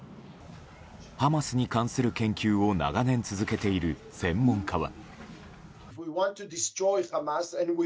ハマスに関する研究を長年続けている専門家は。